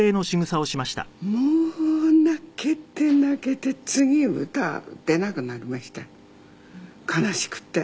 もう泣けて泣けて次歌出なくなりました悲しくて。